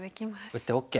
打ってＯＫ。